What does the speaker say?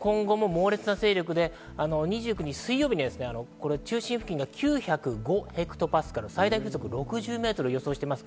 今後も猛烈な勢力で２９日水曜日に中心付近の９０５ヘクトパスカル、最大風速６０メートルを予想しています。